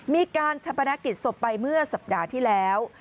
มีการชะปนกิจศพไปเมื่อสัปดาห์ที่แล้ว